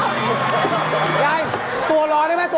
นี่นึกมั้ยว่าเป็น